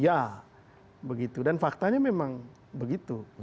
ya begitu dan faktanya memang begitu